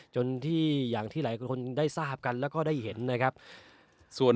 จนที่อย่างที่หลายคนได้ทราบกันแล้วก็ได้เห็นนะครับส่วน